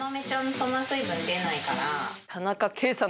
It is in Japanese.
そんな水分出ないから。